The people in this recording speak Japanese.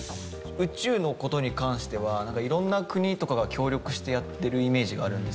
宇宙の事に関してはなんか色んな国とかが協力してやってるイメージがあるんですよ。